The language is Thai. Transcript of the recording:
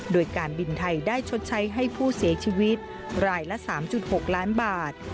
โดยการบินไทยได้ชดใช้ให้ผู้เสียชีวิตรายละ๓๖ล้านบาท